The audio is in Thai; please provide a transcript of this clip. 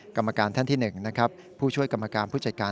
กรรมการท่านที่๑นะครับผู้ช่วยกรรมการผู้จัดการ